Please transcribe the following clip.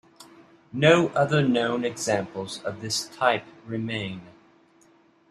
No other known examples of this type remain.